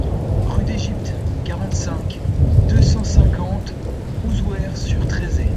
Rue d'Égypte, quarante-cinq, deux cent cinquante Ouzouer-sur-Trézée